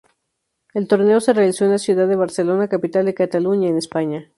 El torneo se realizó en la ciudad de Barcelona, capital de Cataluña, en España.